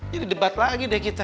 jadi debat lagi deh kita